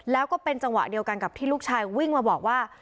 แล้วก็เป็นจังหวะเดียวกันกับที่ลูกชายวิ่งมาบอกว่า